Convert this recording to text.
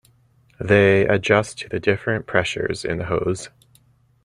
They adjust to the different pressures in the hose.